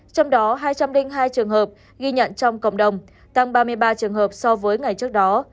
trong đó hai trăm linh hai trường hợp ghi nhận trong cộng đồng tăng ba mươi ba trường hợp so với ngày trước đó